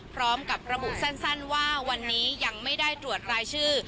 พร้อมกับระบุสั้นว่าวันนี้ยังไม่ได้ตรวจรายชื่อ